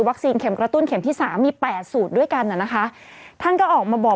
เข็มกระตุ้นเข็มที่สามมีแปดสูตรด้วยกันน่ะนะคะท่านก็ออกมาบอก